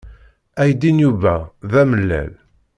Aydi n Yuba d amellal.